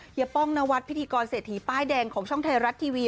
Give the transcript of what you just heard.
ป้องนวัดพิธีกรเศรษฐีป้ายแดงของช่องไทยรัฐทีวี